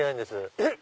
えっ！